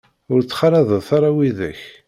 Ur ttxalaḍet ara widak.